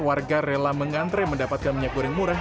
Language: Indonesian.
warga rela mengantre mendapatkan minyak goreng murah